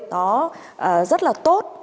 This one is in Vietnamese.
đó rất là tốt